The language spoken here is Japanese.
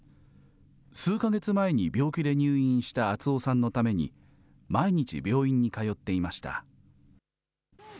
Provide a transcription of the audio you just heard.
数か月前に病気で入院した敦雄さんのために、毎日、病院に通っていました。